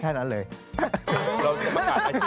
เราจะประกาศอายชื่อใช่ไหม